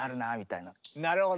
なるほど。